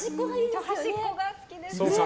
端っこが好きです。